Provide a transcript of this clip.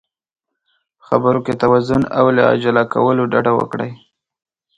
په خبرو کې توازن او له عجله کولو ډډه وکړئ.